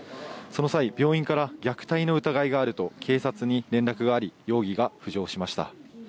その際、病院から虐待の疑いがあると警察に連絡があり容疑が浮上しました。